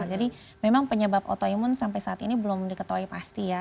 jadi memang penyebab otoimun sampai saat ini belum diketahui pasti ya